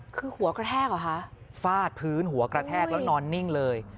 คือหัวกระแทกเหรอคะฟาดพื้นหัวกระแทกแล้วนอนนิ่งเลย